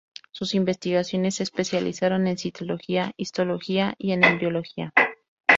Sus investigaciones se especializaron en citología, histología y en embriología.